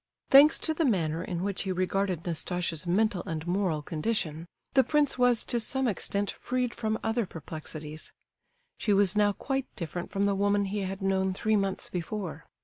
Thanks to the manner in which he regarded Nastasia's mental and moral condition, the prince was to some extent freed from other perplexities. She was now quite different from the woman he had known three months before.